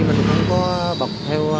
mình không có bọc theo